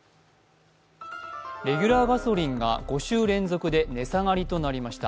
レギュラーガソリンが５週連続で値下がりとなりました。